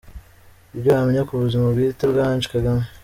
Ibyo wamenya ku buzima bwite bwa Ange Kagame.